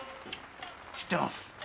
知ってます。